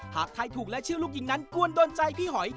หากไทยถูกและชื่อลูกหญิงนั้นควรโดนใจพี่หอย